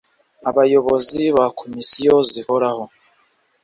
abayobozi ba za komisiyo zihoraho